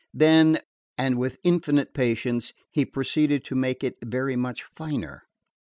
Then, and with infinite patience, he proceeded to make it very much finer.